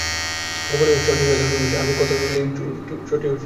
গোপালের উৎসাহ নিভিয়া গেল বলিল, আমি কথা কইলেই তুই চটে উঠিস শশী।